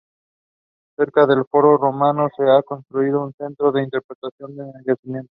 Cerca del foro romano se ha construido un centro de interpretación del yacimiento.